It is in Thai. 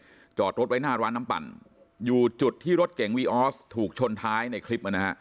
จอดรถไว้หน้าร้านน้ำปั่นอยู่จุดที่รถเก๋งวีออสถูกชนท้ายในคลิปนะฮะ